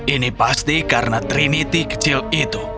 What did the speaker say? ini pasti karena trinity kecil itu